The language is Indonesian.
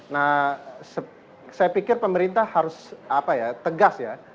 nah saya pikir pemerintah harus tegas ya